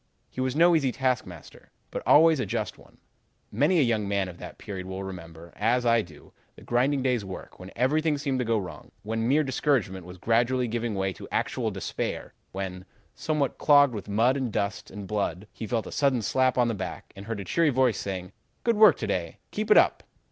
He was no easy taskmaster, but always a just one. Many a young man of that period will remember, as I do, the grinding day's work when everything seemed to go wrong, when mere discouragement was gradually giving way to actual despair, when, somewhat clogged with mud and dust and blood, he felt a sudden slap on the back, and heard a cheery voice saying, 'Good work to day. Keep it up.'